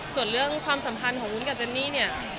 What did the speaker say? ส่วนเรื่องความสัมพันธ์ของวุ้นกับเจนนี่เนี่ย